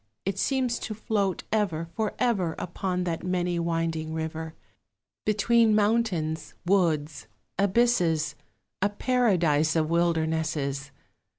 It seems to float ever, for ever, Upon that many winding river, Between mountains, woods, abysses, A paradise of wildernesses!